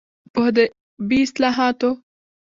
په ادبي اصلاحاتو